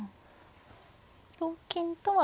同金とは。